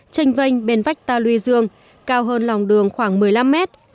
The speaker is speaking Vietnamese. tranh vanh bên vách ta lùi dương cao hơn lòng đường khoảng một mươi năm mét